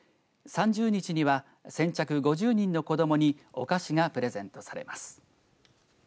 ３０日には先着５０人の子どもにお菓子がプレゼントされます。